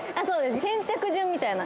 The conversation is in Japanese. ◆先着順みたいな。